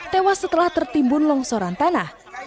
tewas setelah tertimbun longsoran tanah